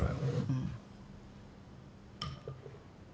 うん。